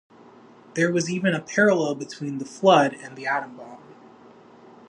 There was even a parallel between the flood and the atom bomb.